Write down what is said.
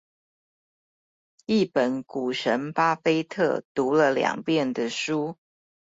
一本股神巴菲特讀了兩遍的書